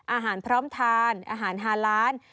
อาหารพร้อมทานอาหารฮาล้าน